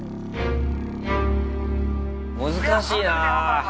難しいなぁ。